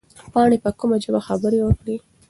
پاڼې په کومه ژبه خبره وکړه؟